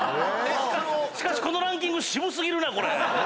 しかしこのランキング渋過ぎるなこれ。